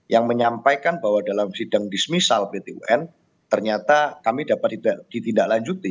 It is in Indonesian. yang menyampaikan bahwa dalam sidang dismisal pt un ternyata kami dapat ditindaklanjuti